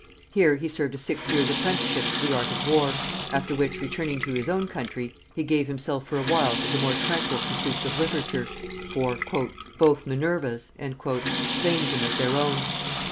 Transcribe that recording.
Here he served a six years apprenticeship to the art of war, after which, returning to his own country, he gave himself for a while to the more tranquil pursuits of literature; for "both Minervas" claimed him as their own.